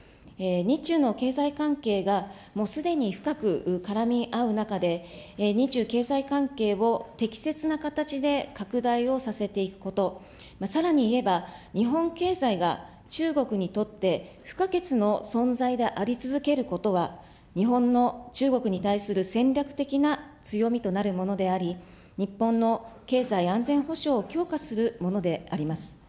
日中の経済関係がすでに深く絡み合う中で、日中経済関係を適切な形で拡大をさせていくこと、さらに言えば、日本経済が中国にとって不可欠の存在であり続けることは、日本の中国に対する戦略的な強みとなるものであり、日本の経済安全保障を強化するものであります。